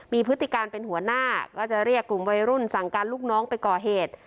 มีพฤติการเป็นหัวหน้าก็จะเรียกกลุ่มวัยรุ่นสั่งการลูกน้องไปก่อเหตุ